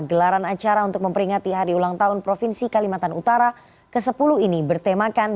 gelaran acara untuk memperingati hari ulang tahun provinsi kalimantan utara ke sepuluh ini bertemakan